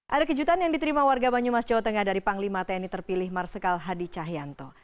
ada kejutan yang diterima warga banyumas jawa tengah dari panglima tni terpilih marsikal hadi cahyanto